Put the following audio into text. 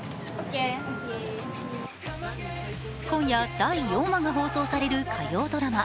今夜、第４話が放送される火曜ドラマ